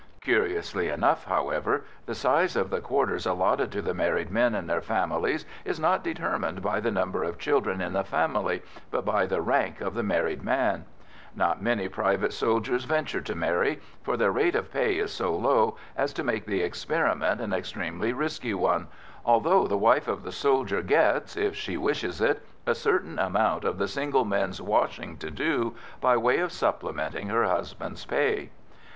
Curiously enough, however, the size of the quarters allotted to the married men and their families is not determined by the number of children in the family, but by the rank of the married man; not many private soldiers venture to marry, for their rate of pay is so low as to make the experiment an extremely risky one, although the wife of the soldier gets if she wishes it a certain amount of the single men's washing to do, by way of supplementing her husband's pay.